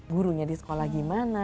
gurunya di sekolah gimana